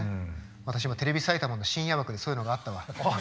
私もテレビ埼玉の深夜枠でそういうのがあったわ。